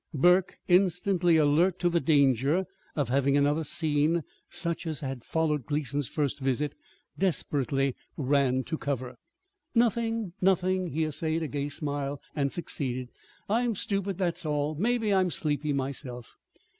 Burke, instantly alert to the danger of having another scene such as had followed Gleason's first visit, desperately ran to cover. "Nothing, nothing!" He essayed a gay smile, and succeeded. "I'm stupid, that's all. Maybe I'm sleepy myself."